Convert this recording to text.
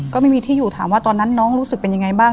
ก็ไม่มีที่อยู่ถามว่าตอนนั้นน้องรู้สึกเป็นยังไงบ้าง